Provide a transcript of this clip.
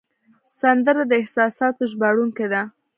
سندره د احساساتو ژباړونکی ده